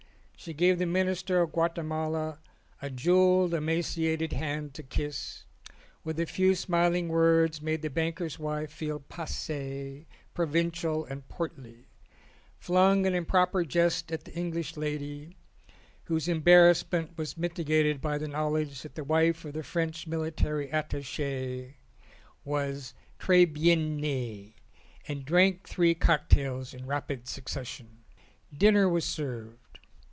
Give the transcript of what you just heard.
She gave the Minister of Guatemala a jewelled, emaciated hand to kiss; with a few smiling words made the banker's wife feel passee, provincial, and portly; flung an im proper jest at the English lady whose embarrass ment was mitigated by the knowledge that the wife of the French Military Attache was tres bien nee; and drank three cocktails in rapid succession. Dinner was served.